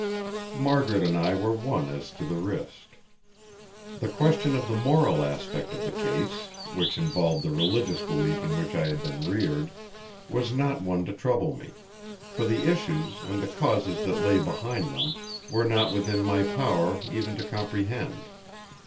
Margaret and I were one as to the risk. The question of the moral aspect of the case, which involved the religious belief in which I had been reared, was not one to trouble me; for the issues, and the causes that lay behind them, were not within my power even to comprehend.